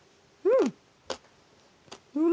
うん！